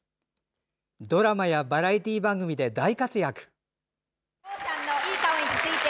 ドラマやバラエティー番組で大活躍。